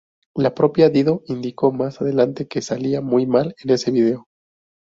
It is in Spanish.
La propia Dido indicó más adelante que salía muy mal en ese vídeo.